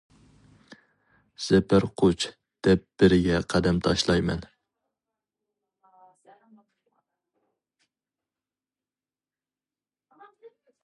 زەپەر قۇچ دەپ بىرگە قەدەم تاشلايمەن.